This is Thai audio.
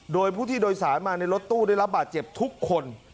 โดยผู้ที่โดยสารมาในรถตู้ได้รับบาดเจ็บทุกคน